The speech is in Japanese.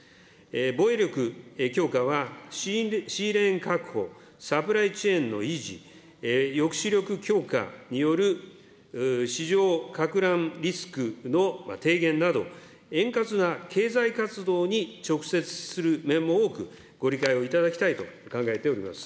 防衛力強化は、シーレーン確保、サプライチェーンの維持、抑止力強化による、市場かく乱リスクの低減など、円滑な経済活動に直接する面も多く、ご理解をいただきたいと考えております。